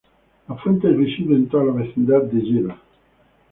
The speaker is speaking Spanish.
La fuente es visible en toda la vecindad de Yeda.